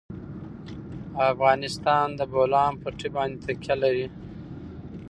افغانستان په د بولان پټي باندې تکیه لري.